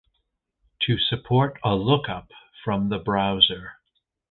To support a lookup from the browser.